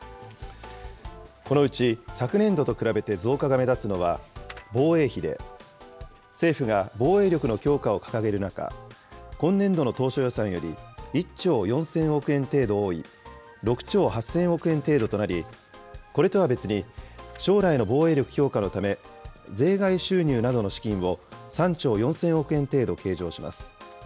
このうち昨年度と比べて増加が目立つのは防衛費で、政府が防衛力の強化を掲げる中、今年度の当初予算より１兆４０００億円程度多い、６兆８０００億円程度となり、これとは別に、将来の防衛力強化のため、税外収入などの資金を３兆４０００億円程度計上します。